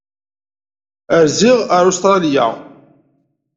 Rziɣ ar Ustṛalya.